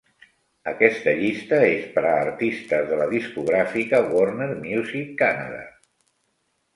Aquesta llista és per a artistes de la discogràfica Warner Music Canada.